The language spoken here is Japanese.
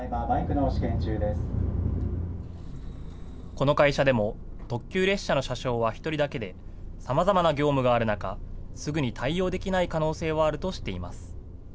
この会社でも、特急列車の車掌は１人だけで、さまざまな業務がある中、すぐに対応できない可能性はあるとしています。